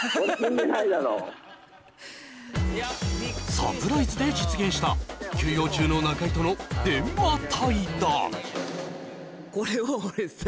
サプライズで実現した休養中の中居との電話対談